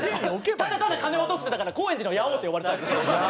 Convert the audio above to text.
ただただ金落としてたから「高円寺の夜王」って呼ばれてたんですよ。